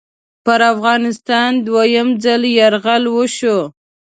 پر افغانستان دوهم ځل یرغل وشو.